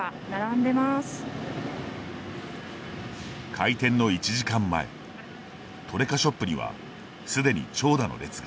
開店の１時間前トレカショップにはすでに長蛇の列が。